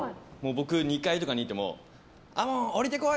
僕、２階とかにいても下りてこい！